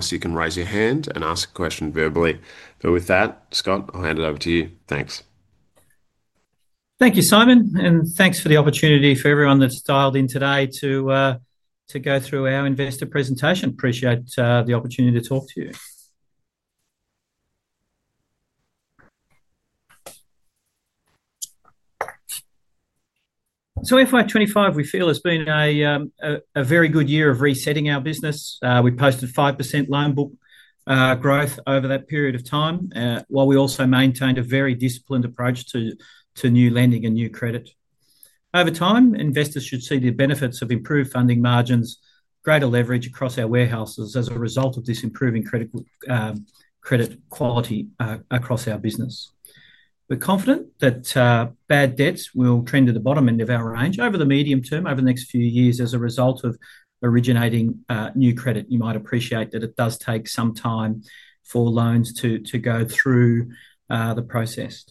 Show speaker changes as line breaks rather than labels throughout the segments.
Of course, you can raise your hand and ask a question verbally. With that, Scott, I'll hand it over to you. Thanks.
Thank you, Simon, and thanks for the opportunity for everyone that's dialed in today to go through our investor presentation. Appreciate the opportunity to talk to you. FY 2025, we feel has been a very good year of resetting our business. We posted 5% loan book growth over that period of time, while we also maintained a very disciplined approach to new lending and new credit. Over time, investors should see the benefits of improved funding margins, greater leverage across our warehouses as a result of this improving credit quality across our business. We're confident that bad debts will trend to the bottom end of our range over the medium term over the next few years as a result of originating new credit. You might appreciate that it does take some time for loans to go through the process.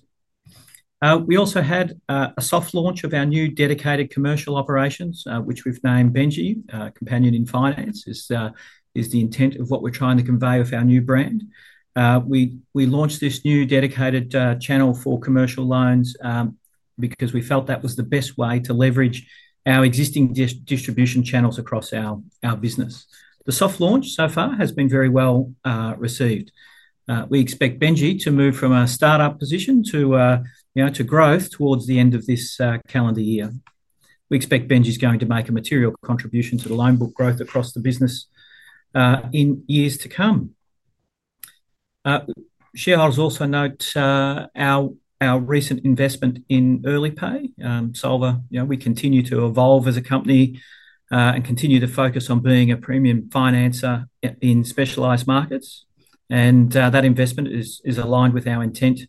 We also had a soft launch of our new dedicated commercial operations, which we've named Bennji. Companion in finance is the intent of what we're trying to convey with our new brand. We launched this new dedicated channel for commercial loans because we felt that was the best way to leverage our existing distribution channels across our business. The soft launch so far has been very well received. We expect Bennji to move from a startup position to growth towards the end of this calendar year. We expect Bennji is going to make a material contribution to the loan book growth across the business in years to come. Shareholders also note our recent investment in Earlypay. Solvar, you know, we continue to evolve as a company and continue to focus on being a premium financer in specialized markets. That investment is aligned with our intent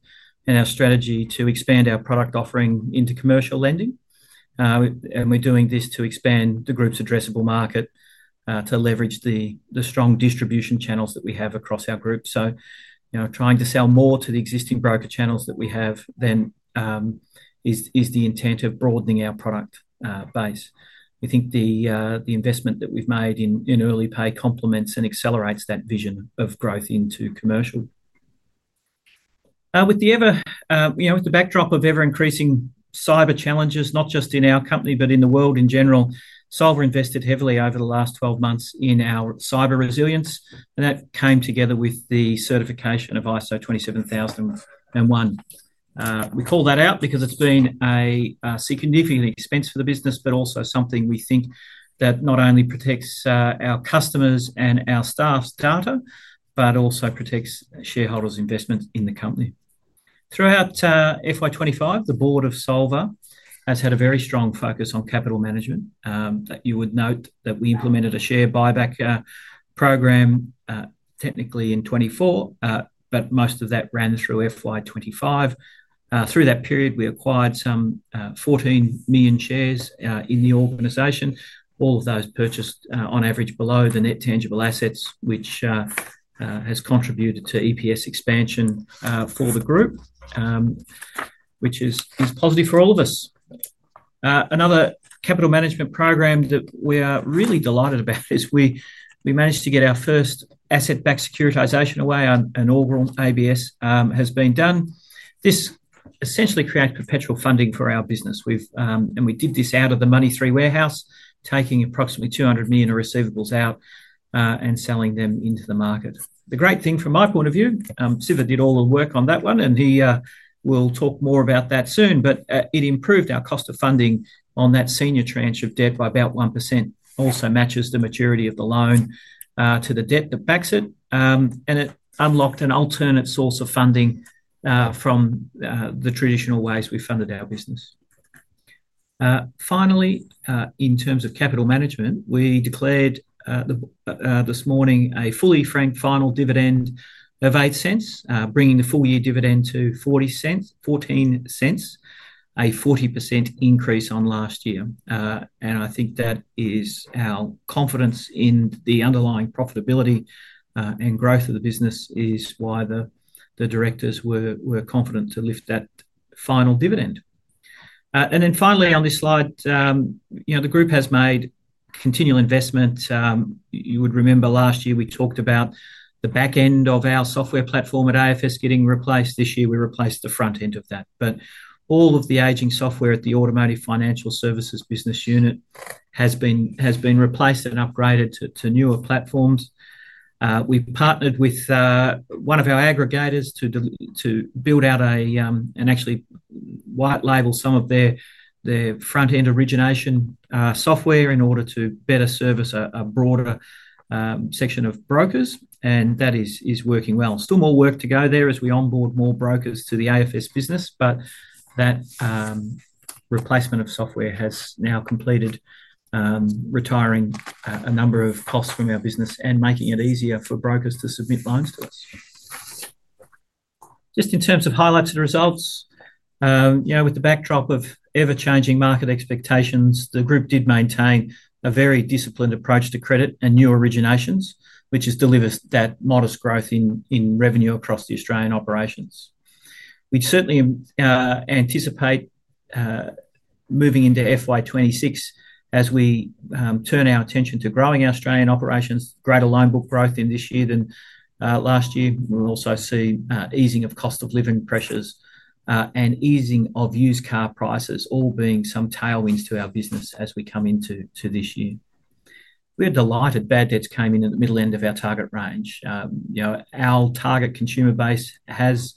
and our strategy to expand our product offering into commercial lending. We're doing this to expand the group's addressable market to leverage the strong distribution channels that we have across our group. Trying to sell more to the existing broker channels that we have then is the intent of broadening our product base. We think the investment that we've made in Earlypay complements and accelerates that vision of growth into commercial. With the backdrop of ever-increasing cyber challenges, not just in our company but in the world in general, Solvar invested heavily over the last 12 months in our cyber resilience. That came together with the certification of ISO 27001. We call that out because it's been a significant expense for the business, but also something we think that not only protects our customers and our staff's data, but also protects shareholders' investments in the company. Throughout FY 2025, the board of Solvar has had a very strong focus on capital management. You would note that we implemented a share buyback program technically in 2024, but most of that ran through FY 2025. Through that period, we acquired some 14 million shares in the organization. All of those purchased on average below the net tangible assets, which has contributed to EPS expansion for the group, which is positive for all of us. Another capital management program that we are really delighted about is we managed to get our first asset-backed securitization away, and all ABS has been done. This essentially creates perpetual funding for our business. We did this out of the Money3 warehouse, taking approximately $200 million receivables out and selling them into the market. The great thing from my point of view, Siva did all the work on that one, and he will talk more about that soon, but it improved our cost of funding on that senior tranche of debt by about 1%. It also matches the maturity of the loan to the debt that backs it. It unlocked an alternate source of funding from the traditional ways we funded our business. Finally, in terms of capital management, we declared this morning a fully franked final dividend of $0.08, bringing the full year dividend to $0.14, a 40% increase on last year. I think that is our confidence in the underlying profitability and growth of the business is why the directors were confident to lift that final dividend. Finally, on this slide, the group has made continual investment. You would remember last year we talked about the back end of our software platform at AFS is getting replaced. This year we replaced the front end of that. All of the aging software at the Automotive Financial Services business unit has been replaced and upgraded to newer platforms. We partnered with one of our aggregators to build out and actually white label some of their front-end origination software in order to better service a broader section of brokers. That is working well. Still more work to go there as we onboard more brokers to the AFS business, but that replacement of software has now completed, retiring a number of costs from our business and making it easier for brokers to submit loans to us. Just in terms of highlights and results, you know, with the backdrop of ever-changing market expectations, the group did maintain a very disciplined approach to credit and new originations, which has delivered that modest growth in revenue across the Australian operations. We certainly anticipate moving into FY 2026 as we turn our attention to growing Australian operations, greater loan book growth in this year than last year. We'll also see easing of cost of living pressures and easing of used car prices, all being some tailwinds to our business as we come into this year. We're delighted bad debts came in at the middle end of our target range. Our target consumer base has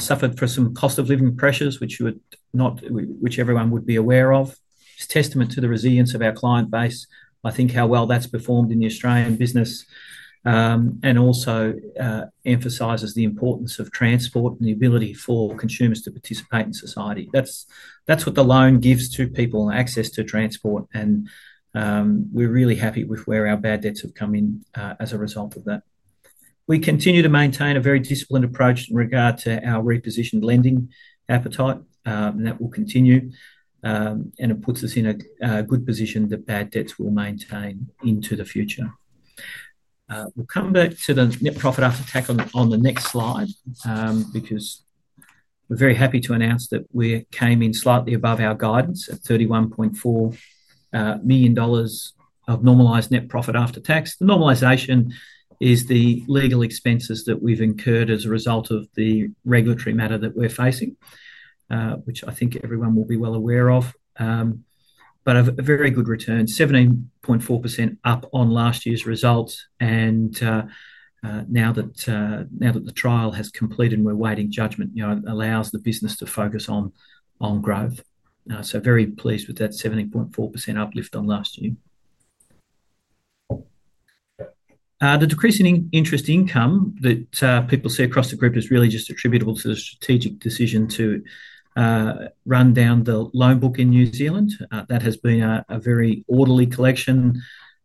suffered for some cost of living pressures, which everyone would be aware of. It's a testament to the resilience of our client base. I think how well that's performed in the Australian business and also emphasizes the importance of transport and the ability for consumers to participate in society. That's what the loan gives to people, access to transport, and we're really happy with where our bad debts have come in as a result of that. We continue to maintain a very disciplined approach in regard to our repositioned lending appetite, and that will continue. It puts us in a good position that bad debts will maintain into the future. We'll come back to the net profit after tax on the next slide because we're very happy to announce that we came in slightly above our guidance at $31.4 million of normalized net profit after tax. The normalization is the legal expenses that we've incurred as a result of the regulatory matter that we're facing, which I think everyone will be well aware of, but a very good return, 17.4% up on last year's results. Now that the trial has completed and we're awaiting judgment, it allows the business to focus on growth. Very pleased with that 17.4% uplift on last year. The decrease in interest income that people see across the group is really just attributable to the strategic decision to run down the loan book in New Zealand. That has been a very orderly collection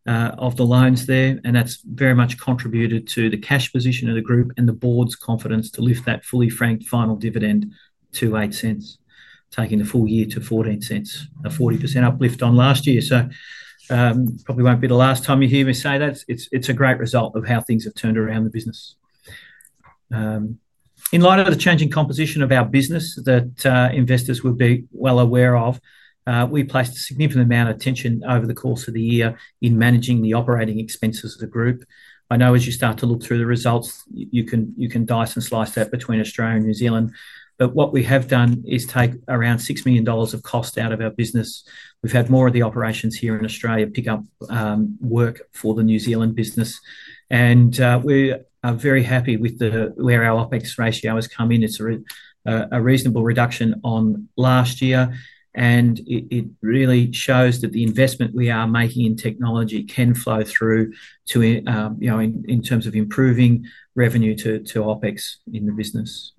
of the loans there, and that's very much contributed to the cash position of the group and the board's confidence to lift that fully franked final dividend to $0.08, taking the full year to $0.14, a 40% uplift on last year. It probably won't be the last time you hear me say that. It's a great result of how things have turned around in the business. In light of the changing composition of our business that investors will be well aware of, we placed a significant amount of attention over the course of the year in managing the operating expenses of the group. I know as you start to look through the results, you can dice and slice that between Australia and New Zealand. What we have done is take around $6 million of cost out of our business. We've had more of the operations here in Australia pick up work for the New Zealand business. We are very happy with where our OpEx ratio has come in. It's a reasonable reduction on last year, and it really shows that the investment we are making in technology can flow through to, you know, in terms of improving revenue to OpEx in the business.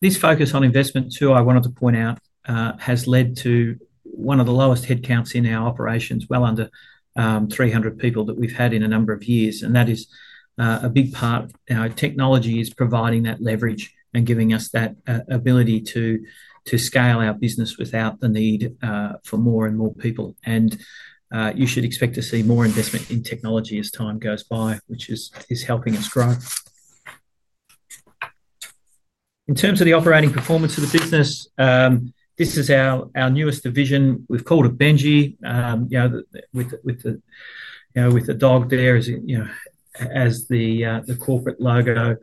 This focus on investment, too, I wanted to point out, has led to one of the lowest headcounts in our operations, well under 300 people that we've had in a number of years. That is a big part. Technology is providing that leverage and giving us that ability to scale our business without the need for more and more people. You should expect to see more investment in technology as time goes by, which is helping us grow. In terms of the operating performance of the business, this is our newest division. We've called it Benji, you know, with the dog there as the corporate logo.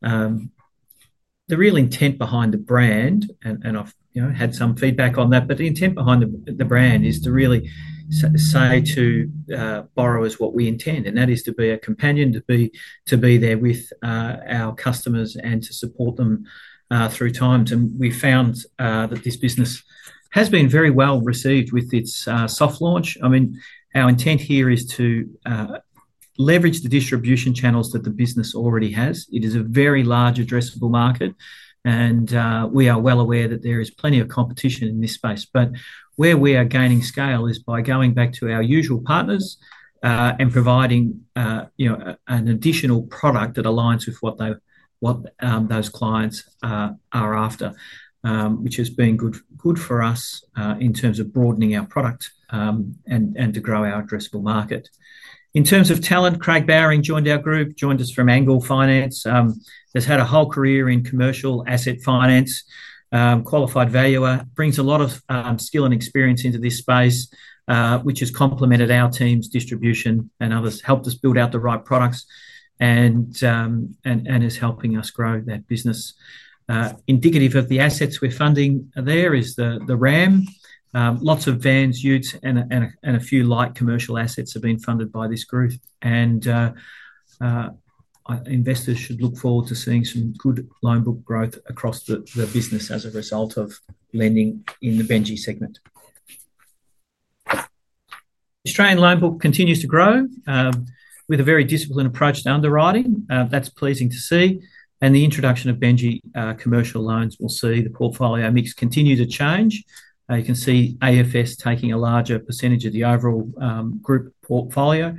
The real intent behind the brand, and I've had some feedback on that, is to really say to borrowers what we intend, and that is to be a companion, to be there with our customers and to support them through time. We found that this business has been very well received with its soft launch. Our intent here is to leverage the distribution channels that the business already has. It is a very large addressable market, and we are well aware that there is plenty of competition in this space. Where we are gaining scale is by going back to our usual partners and providing, you know, an additional product that aligns with what those clients are after, which has been good for us in terms of broadening our product and to grow our addressable market. In terms of talent, Craig Bowring joined our group, joined us from Angle Finance. He's had a whole career in commercial asset finance, qualified valuer, brings a lot of skill and experience into this space, which has complemented our team's distribution and others, helped us build out the right products, and is helping us grow that business. Indicative of the assets we're funding there is the RAM. Lots of vans, utes, and a few light commercial assets have been funded by this group. Investors should look forward to seeing some good loan book growth across the business as a result of lending in the Bennji segment. The Australian loan book continues to grow with a very disciplined approach to underwriting. That's pleasing to see. The introduction of Bennji commercial loans will see the portfolio mix continue to change. You can see AFS taking a larger percentage of the overall group portfolio,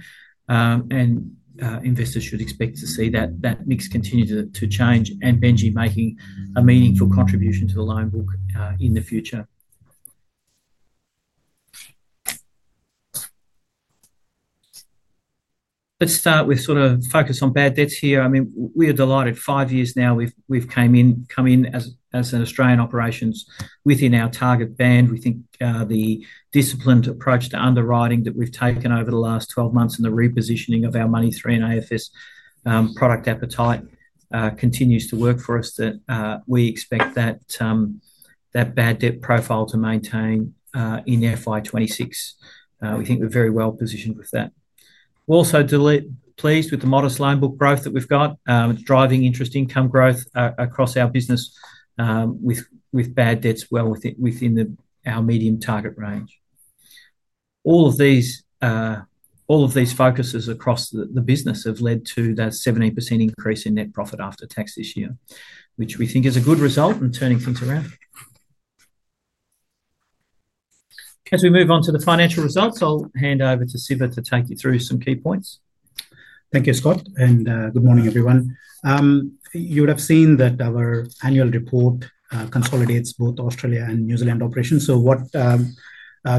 and investors should expect to see that mix continue to change and Bennji making a meaningful contribution to the loan book in the future. Let's start with sort of focus on bad debts here. I mean, we are delighted. Five years now we've come in as an Australian operations within our target band. We think the disciplined approach to underwriting that we've taken over the last 12 months and the repositioning of our Money3 and AFS product appetite continues to work for us. We expect that bad debt profile to maintain in FY 2026. We think we're very well positioned with that. We're also pleased with the modest loan book growth that we've got, driving interest income growth across our business with bad debts well within our medium target range. All of these focuses across the business have led to that 70% increase in net profit after tax this year, which we think is a good result in turning things around. As we move on to the financial results, I'll hand over to Siva to take you through some key points.
Thank you, Scott, and good morning, everyone. You would have seen that our annual report consolidates both Australia and New Zealand operations. What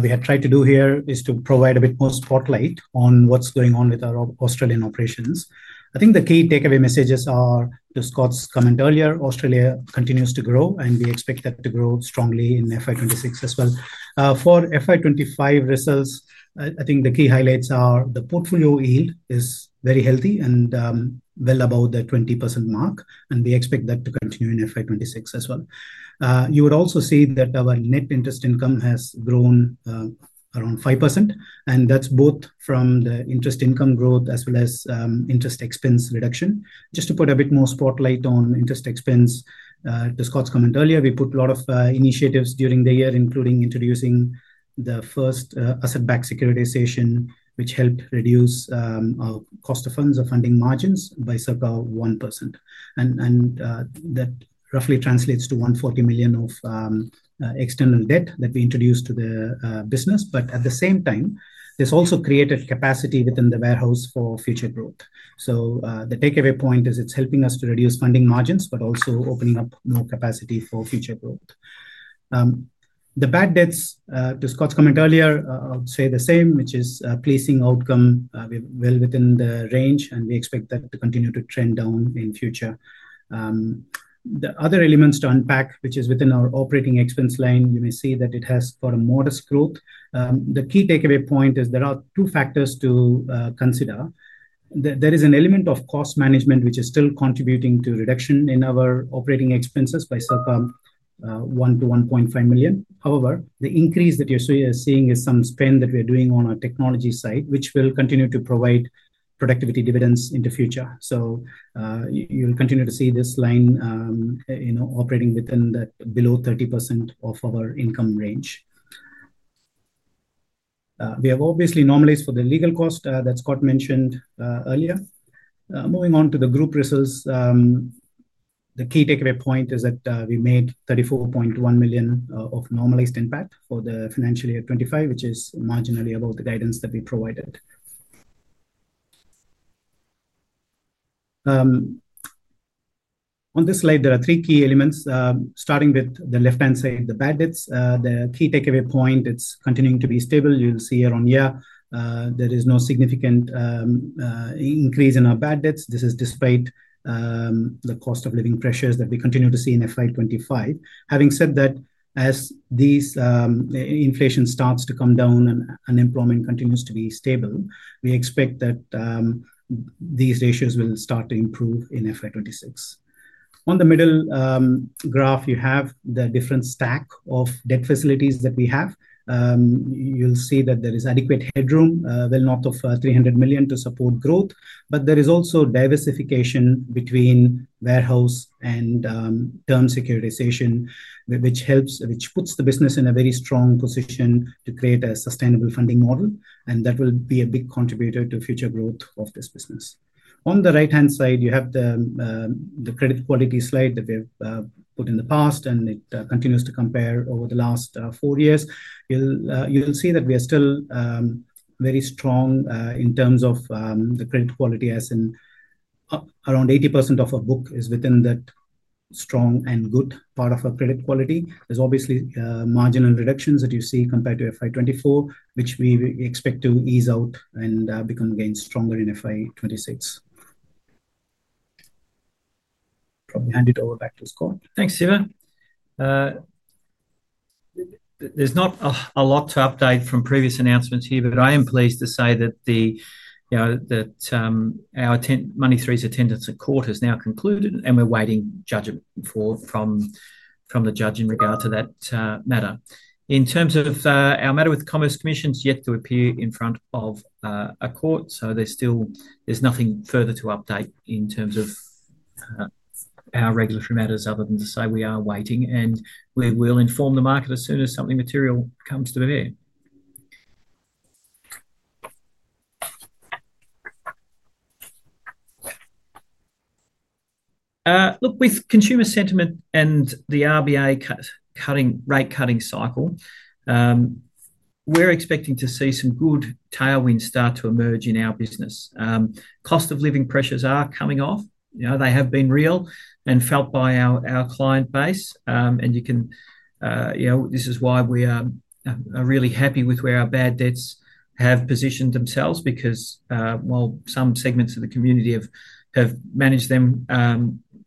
we had tried to do here is to provide a bit more spotlight on what's going on with our Australian operations. I think the key takeaway messages are the Scott's comment earlier. Australia continues to grow, and we expect that to grow strongly in FY 2026 as well. For FY 2025 results, I think the key highlights are the portfolio yield is very healthy and well above the 20% mark, and we expect that to continue in FY 2026 as well. You would also see that our net interest income has grown around 5%, and that's both from the interest income growth as well as interest expense reduction. Just to put a bit more spotlight on interest expense, to Scott's comment earlier, we put a lot of initiatives during the year, including introducing the first asset-backed securitization, which helped reduce our cost of funds or funding margins by circa 1%. That roughly translates to $140 million of external debt that we introduced to the business. At the same time, this also created capacity within the warehouse for future growth. The takeaway point is it's helping us to reduce funding margins, but also opening up more capacity for future growth. The bad debts, to Scott's comment earlier, I would say the same, which is a pleasing outcome. We're well within the range, and we expect that to continue to trend down in the future. The other elements to unpack, which is within our operating expense line, you may see that it has got a modest growth. The key takeaway point is there are two factors to consider. There is an element of cost management, which is still contributing to reduction in our operating expenses by circa $1 million-$1.5 million. However, the increase that you're seeing is some spend that we're doing on our technology side, which will continue to provide productivity dividends in the future. You'll continue to see this line operating within that below 30% of our income range. We have obviously normalized for the legal cost that Scott mentioned earlier. Moving on to the group results, the key takeaway point is that we made $34.1 million of normalized impact for the financial year 2025, which is marginally above the guidance that we provided. On this slide, there are three key elements, starting with the left-hand side, the bad debts. The key takeaway point, it's continuing to be stable. You'll see year-on-year, there is no significant increase in our bad debts. This is despite the cost of living pressures that we continue to see in FY 2025. Having said that, as inflation starts to come down and unemployment continues to be stable, we expect that these ratios will start to improve in FY 2026. On the middle graph, you have the different stack of debt facilities that we have. You'll see that there is adequate headroom, well north of $300 million to support growth, but there is also diversification between warehouse and term securitization, which helps, which puts the business in a very strong position to create a sustainable funding model. That will be a big contributor to future growth of this business. On the right-hand side, you have the credit quality slide that we've put in the past, and it continues to compare over the last four years. You'll see that we are still very strong in terms of the credit quality, as in around 80% of our book is within that strong and good part of our credit quality. There's obviously marginal reductions that you see compared to FY 2024, which we expect to ease out and become again stronger in FY 2026. Probably hand it over back to Scott.
Thanks, Siva. There's not a lot to update from previous announcements here, but I am pleased to say that our Money3's attendance at court has now concluded, and we're awaiting judgment from the judge in regard to that matter. In terms of our matter with the Commerce Commission, it's yet to appear in front of a court, so there's nothing further to update in terms of our regulatory matters other than to say we are waiting, and we will inform the market as soon as something material comes to the air. Look, with consumer sentiment and the RBA rate cutting cycle, we're expecting to see some good tailwinds start to emerge in our business. Cost of living pressures are coming off. They have been real and felt by our client base. This is why we are really happy with where our bad debts have positioned themselves because, while some segments of the community have managed them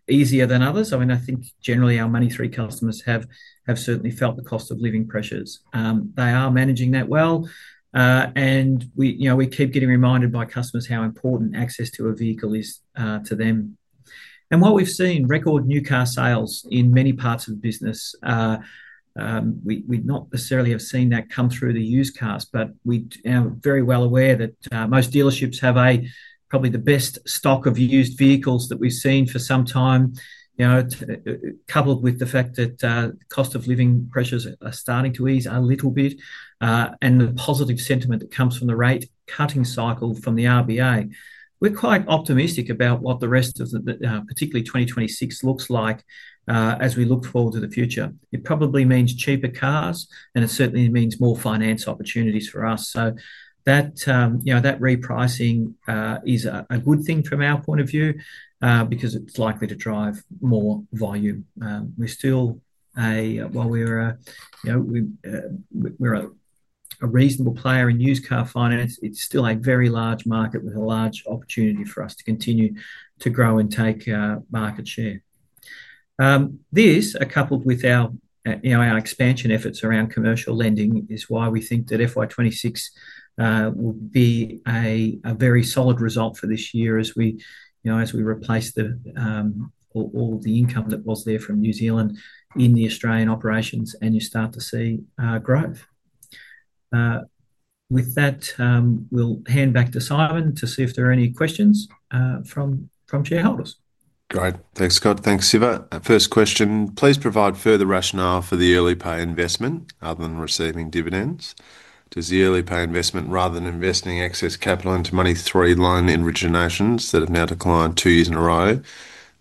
easier than others, I think generally our Money3 customers have certainly felt the cost of living pressures. They are managing that well. We keep getting reminded by customers how important access to a vehicle is to them. What we've seen, record new car sales in many parts of the business. We'd not necessarily have seen that come through the used cars, but we are very well aware that most dealerships have probably the best stock of used vehicles that we've seen for some time. Coupled with the fact that the cost of living pressures are starting to ease a little bit and the positive sentiment that comes from the rate cutting cycle from the RBA, we're quite optimistic about what the rest of particularly 2026 looks like as we look forward to the future. It probably means cheaper cars and it certainly means more finance opportunities for us. That repricing is a good thing from our point of view because it's likely to drive more volume. While we're a reasonable player in used car finance, it's still a very large market with a large opportunity for us to continue to grow and take market share. This, coupled with our expansion efforts around commercial lending, is why we think that FY 2026 will be a very solid result for this year as we replace all the income that was there from New Zealand in the Australian operations and you start to see growth. With that, we'll hand back to Simon to see if there are any questions from shareholders.
Great. Thanks, Scott. Thanks, Siva. First question, please provide further rationale for the Earlypay investment other than receiving dividends. Does the Earlypay investment, rather than investing excess capital into Money3 loan originations that have now declined two years in a row,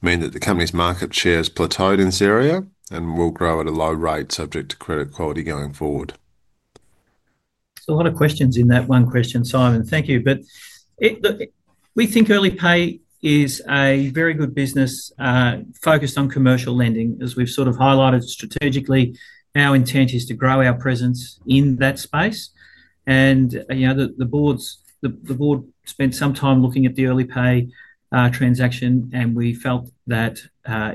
mean that the company's market share has plateaued in this area and will grow at a low rate subject to credit quality going forward?
A lot of questions in that one question, Simon. Thank you. We think Earlypay is a very good business focused on commercial lending. As we've sort of highlighted strategically, our intent is to grow our presence in that space. The board spent some time looking at the Earlypay transaction, and we felt that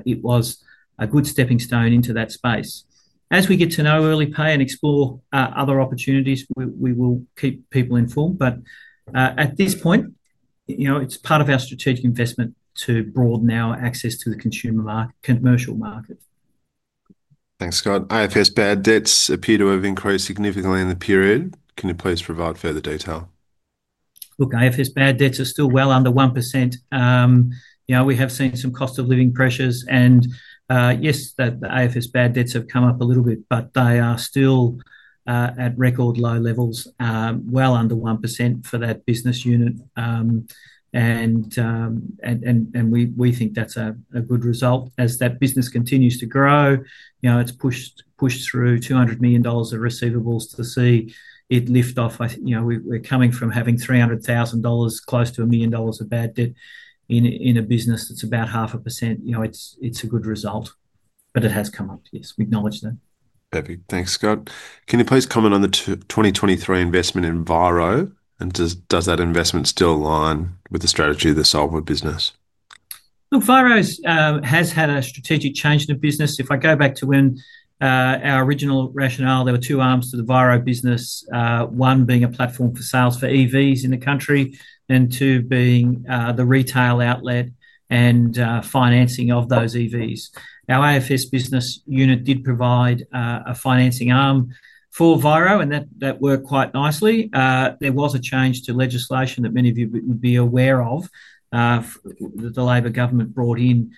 it was a good stepping stone into that space. As we get to know Earlypay and explore other opportunities, we will keep people informed. At this point, it's part of our strategic investment to broaden our access to the consumer market, commercial market.
Thanks, Scott. AFS bad debts appear to have increased significantly in the period. Can you please provide further detail?
Look, AFS bad debts are still well under 1%. We have seen some cost of living pressures, and yes, the AFS bad debts have come up a little bit, but they are still at record low levels, well under 1% for that business unit. We think that's a good result. As that business continues to grow, it's pushed through $200 million of receivables to see it lift off. We're coming from having $300,000, close to $1 million of bad debt in a business that's about 0.5%. It's a good result, but it has come up. Yes, we acknowledge that.
Perfect. Thanks, Scott. Can you please comment on the 2023 investment in Viro, and does that investment still align with the strategy of the Solvar business?
Look, Viro has had a strategic change in the business. If I go back to when our original rationale, there were two arms to the Viro business, one being a platform for sales for EVs in the country, and two being the retail outlet and financing of those EVs. Our AFS business unit did provide a financing arm for Viro, and that worked quite nicely. There was a change to legislation that many of you would be aware of that the Labor government brought in,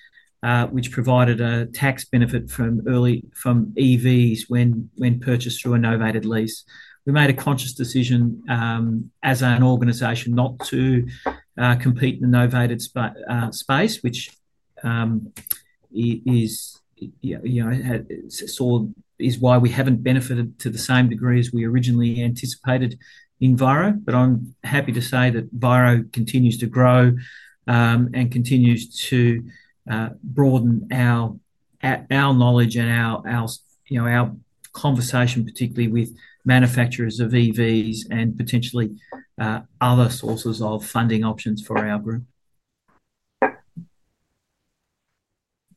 which provided a tax benefit from EVs when purchased through a novated lease. We made a conscious decision as an organization not to compete in the novated space, which is why we haven't benefited to the same degree as we originally anticipated in Viro. I'm happy to say that Viro continues to grow and continues to broaden our knowledge and our conversation, particularly with manufacturers of EVs and potentially other sources of funding options for our group.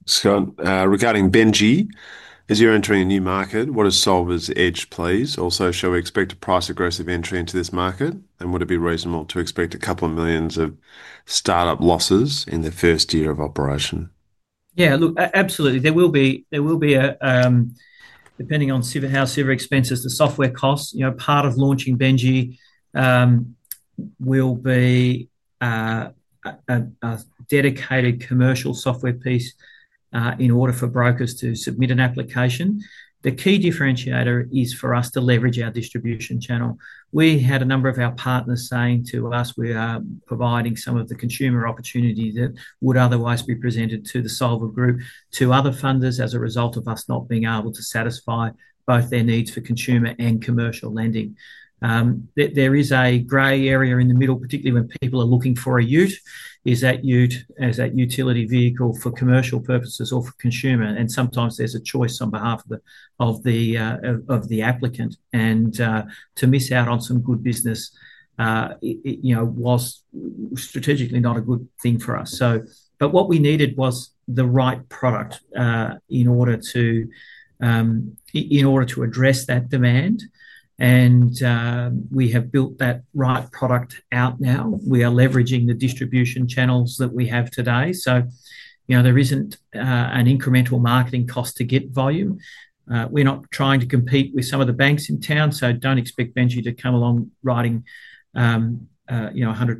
Scott, regarding Bennji, as you're entering a new market, what does Solvar's edge please? Also, shall we expect a price-aggressive entry into this market, and would it be reasonable to expect a couple of millions of startup losses in their first year of operation?
Yeah, look, absolutely. There will be, depending on how Siva expenses the software cost, part of launching Bennji will be a dedicated commercial software piece in order for brokers to submit an application. The key differentiator is for us to leverage our distribution channel. We had a number of our partners saying to us we are providing some of the consumer opportunity that would otherwise be presented to the Solvar Group to other funders as a result of us not being able to satisfy both their needs for consumer and commercial lending. There is a gray area in the middle, particularly when people are looking for a ute, as a utility vehicle for commercial purposes or for consumer. Sometimes there's a choice on behalf of the applicant. To miss out on some good business was strategically not a good thing for us. What we needed was the right product in order to address that demand. We have built that right product out now. We are leveraging the distribution channels that we have today, so there isn't an incremental marketing cost to get volume. We're not trying to compete with some of the banks in town, so don't expect Bennji to come along writing $100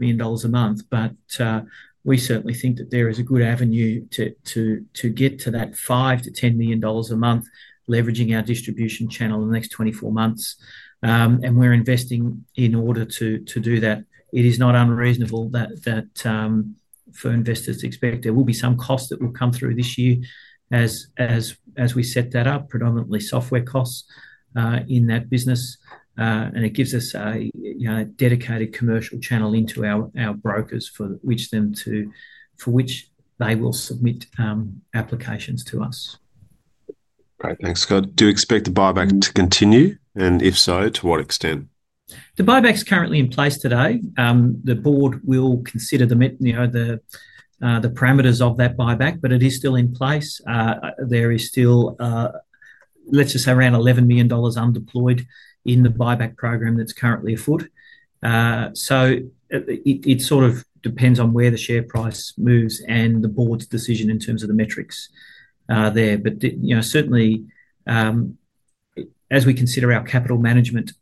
million a month. We certainly think that there is a good avenue to get to that $5 million-$10 million a month leveraging our distribution channel in the next 24 months. We're investing in order to do that. It is not unreasonable for investors to expect there will be some costs that will come through this year as we set that up, predominantly software costs in that business. It gives us a dedicated commercial channel into our brokers for which they will submit applications to us.
Great. Thanks, Scott. Do you expect the buyback to continue? If so, to what extent?
The buyback is currently in place today. The board will consider the parameters of that buyback, but it is still in place. There is still, let's just say, around $11 million undeployed in the buyback program that's currently afoot. It sort of depends on where the share price moves and the board's decision in terms of the metrics there. Certainly, as we consider our capital management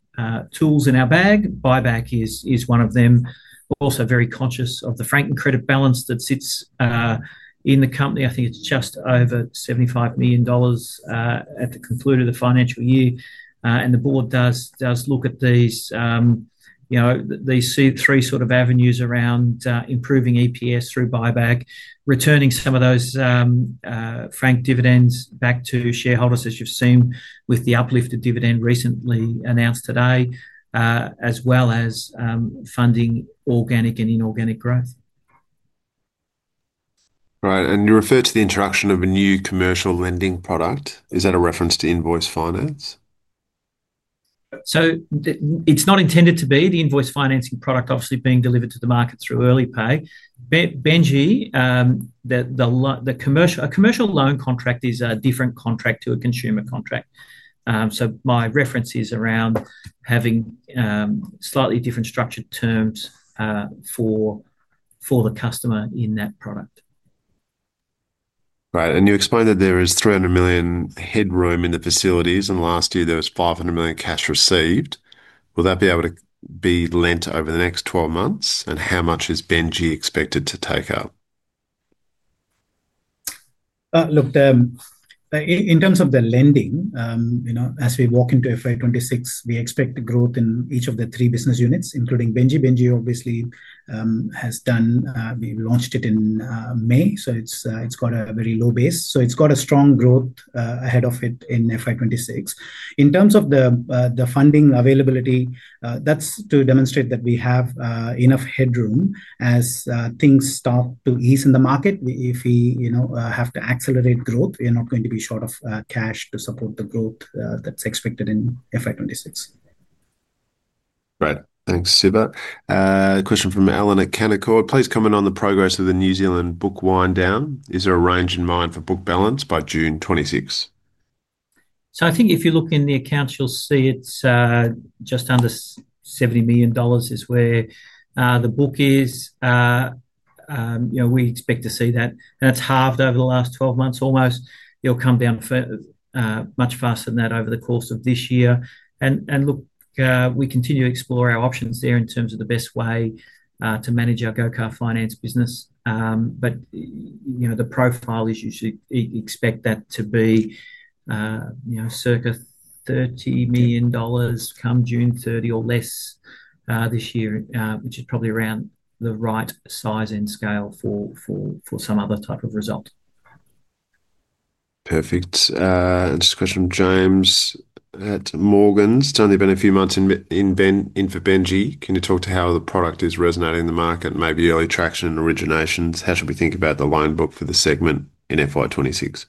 tools in our bag, buyback is one of them. We're also very conscious of the franking credit balance that sits in the company. I think it's just over $75 million at the concluded financial year. The board does look at these three sort of avenues around improving EPS through buyback, returning some of those franked dividends back to shareholders, as you've seen with the uplifted dividend recently announced today, as well as funding organic and inorganic growth.
Right. You refer to the introduction of a new commercial lending product. Is that a reference to invoice finance?
It is not intended to be the invoice financing product, obviously being delivered to the market through Earlypay. Bennji, a commercial loan contract is a different contract to a consumer contract. My reference is around having slightly different structured terms for the customer in that product.
Right. You explained that there is $300 million headroom in the facilities, and last year there was $500 million cash received. Will that be able to be lent over the next 12 months? How much is Bennji expected to take up?
Look, in terms of the lending, as we walk into FY 2026, we expect growth in each of the three business units, including Bennji. Bennji obviously has done, we launched it in May, so it's got a very low base. It's got a strong growth ahead of it in FY 2026. In terms of the funding availability, that's to demonstrate that we have enough headroom as things start to ease in the market. If we have to accelerate growth, you're not going to be short of cash to support the growth that's expected in FY 2026.
Right. Thanks, Siva. Question from Ellen at Canaccord. Please comment on the progress of the New Zealand book wind down. Is there a range in mind for book balance by June 2026?
If you look in the accounts, you'll see it's just under $70 million is where the book is. We expect to see that. It's halved over the last 12 months almost. It'll come down much faster than that over the course of this year. We continue to explore our options there in terms of the best way to manage our Go Car Finance business. The profile is you should expect that to be circa $30 million come June 30 or less this year, which is probably around the right size and scale for some other type of result.
Perfect. Just a question from James at Morgans. It's only been a few months in for Bennji. Can you talk to how the product is resonating in the market, maybe early traction and originations? How should we think about the loan book for the segment in FY 2026?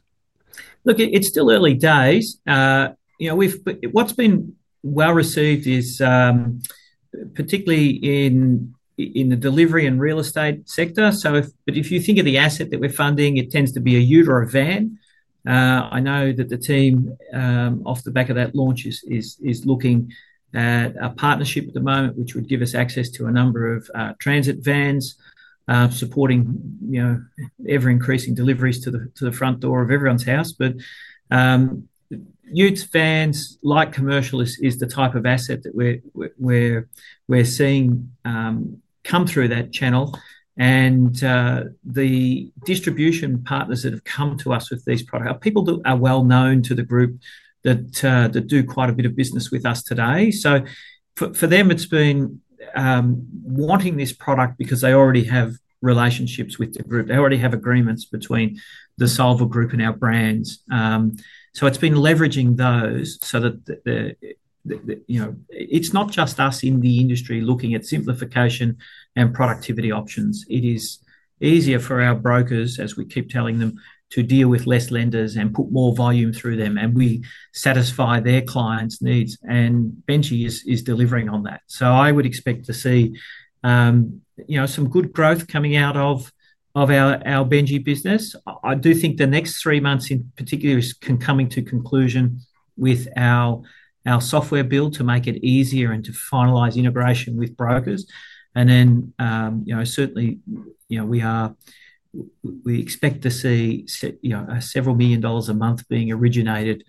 Look, it's still early days. What's been well received is particularly in the delivery and real estate sector. If you think of the asset that we're funding, it tends to be a ute or a van. I know that the team off the back of that launch is looking at a partnership at the moment, which would give us access to a number of transit vans supporting ever-increasing deliveries to the front door of everyone's house. Utes, vans, light commercials is the type of asset that we're seeing come through that channel. The distribution partners that have come to us with this product, people are well known to the group that do quite a bit of business with us today. For them, it's been wanting this product because they already have relationships with the group. They already have agreements between the Solvar Group and our brands. It's been leveraging those so that it's not just us in the industry looking at simplification and productivity options. It is easier for our brokers, as we keep telling them, to deal with fewer lenders and put more volume through them, and we satisfy their clients' needs. Bennji is delivering on that. I would expect to see some good growth coming out of our Bennji business. I do think the next three months in particular is coming to conclusion with our software build to make it easier and to finalize integration with brokers. Certainly, we expect to see several million dollars a month being originated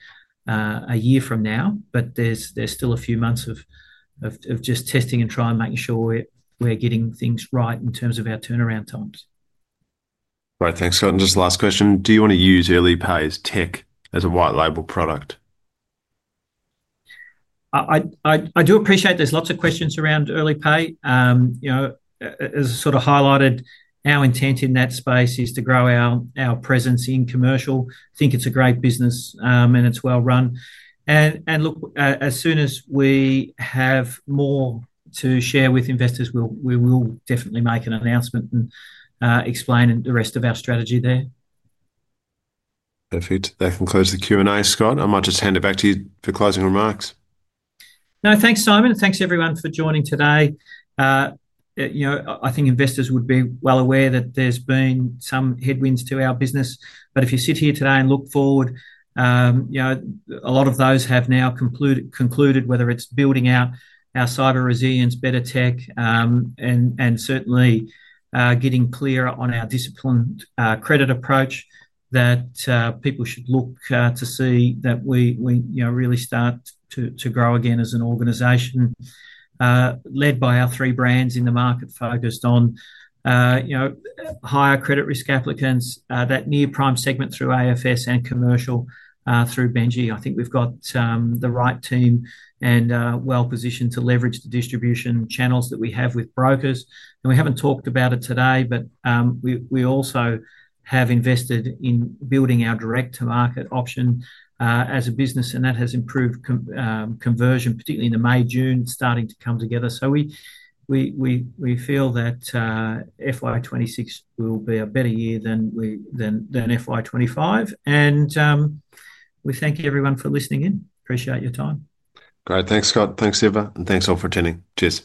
a year from now. There's still a few months of just testing and trying and making sure we're getting things right in terms of our turnaround times.
Right. Thanks. Just last question. Do you want to use Earlypay's tech as a white label product?
I do appreciate there's lots of questions around Earlypay. As sort of highlighted, our intent in that space is to grow our presence in commercial. I think it's a great business and it's well run. As soon as we have more to share with investors, we will definitely make an announcement and explain the rest of our strategy there.
Perfect. That concludes the Q&A, Scott. I might just hand it back to you for closing remarks.
No, thanks, Simon. Thanks, everyone, for joining today. I think investors would be well aware that there's been some headwinds to our business. If you sit here today and look forward, a lot of those have now concluded, whether it's building out our cyber resilience, better tech, and certainly getting clearer on our disciplined credit approach, that people should look to see that we really start to grow again as an organization led by our three brands in the market focused on higher credit risk applicants, that near prime segment through AFS and commercial through Bennji. I think we've got the right team and are well positioned to leverage the distribution channels that we have with brokers. We haven't talked about it today, but we also have invested in building our direct-to-market option as a business, and that has improved conversion, particularly in the May-June starting to come together. We feel that FY 2026 will be a better year than FY 2025. We thank everyone for listening in. Appreciate your time.
Great. Thanks, Scott. Thanks, Siva. Thanks all for attending. Cheers.